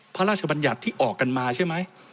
พระราชบัญญัติที่ออกกันมาใช่ไหม